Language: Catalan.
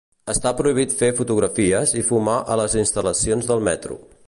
Està prohibit fer fotografies i fumar a les instal·lacions del metro.